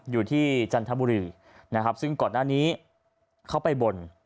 จันทบุรีนะครับซึ่งก่อนหน้านี้เขาไปบ่น